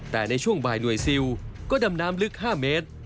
แต่ในช่วงบ่ายหน่วยซิลก็ดำน้ำลึก๕เมตร